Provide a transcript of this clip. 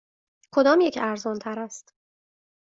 کدامیک ارزان تر است؟